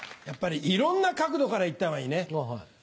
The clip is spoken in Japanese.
やっぱりいろんな角度からいったほうがいいね。